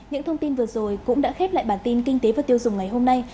những thông tin vừa rồi cũng đã khép lại bản tin kinh tế và tiêu dùng ngày hôm nay